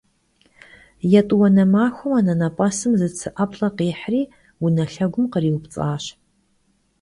Yêt'uane maxuem anenep'esım zı tsı 'eplh'e khihri vune lhegum khriupts'aş.